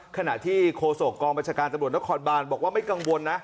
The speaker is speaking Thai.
ขณะที่โฆษกองบัญชาการตำรวจนครบานบอกว่าไม่กังวลนะ